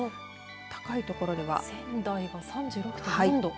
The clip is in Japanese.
高いところでは仙台が３６．４度。